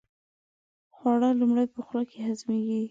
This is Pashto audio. خواړه لومړی په خولې کې هضمېږي.